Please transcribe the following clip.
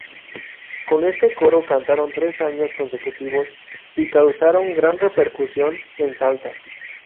Con este coro cantaron tres años consecutivos y causaron gran repercusión en Salta.